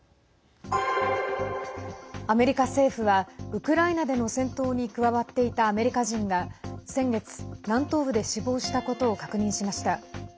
アメリカ政府はウクライナでの戦闘に加わっていたアメリカ人が先月、南東部で死亡したことを確認しました。